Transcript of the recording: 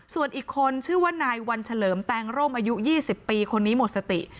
ส่วนอีกคนชื่อว่านายวันเฉลิมแตงร่มอายุ๒๐ปีคนนี้หมดสติ